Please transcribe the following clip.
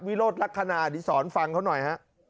วิโรธลักษณะอดีตสอนฟังเขาหน่อย